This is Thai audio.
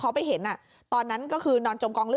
เพราะว่าที่พี่ไปดูมันเหมือนกับมันมีแค่๒รู